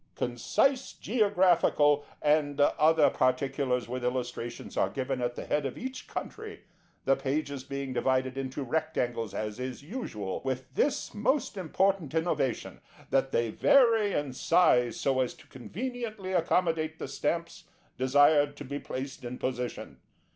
Concise Geographical and other particulars with Illustrations are given at the head of each country, the pages being divided into rectangles, as is usual, with this most important innovation, that they vary in size so as to conveniently accommodate the Stamps desired to be placed in position.